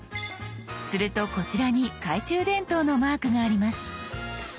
するとこちらに懐中電灯のマークがあります。